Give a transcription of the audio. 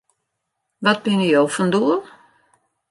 Wat binne jo fan doel?